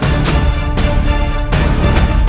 dia adalah musuh terbesar